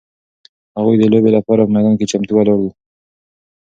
هغوی د لوبې لپاره په میدان کې چمتو ولاړ وو.